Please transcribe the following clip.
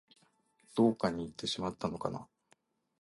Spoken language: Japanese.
どこかにいってしまったのかな